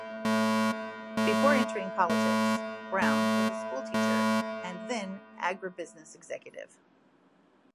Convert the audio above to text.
Before entering politics, Brown was a schoolteacher and then agribusiness executive.